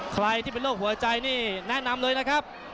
ใครที่เป็นโรคหัวใจนี่แนะนำเลยนะครับ